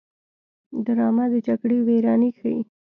ډرامه د جګړې ویرانۍ ښيي